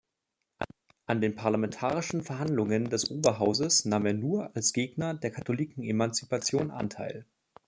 An den parlamentarischen Verhandlungen des Oberhauses nahm er nur als Gegner der Katholikenemanzipation Anteil.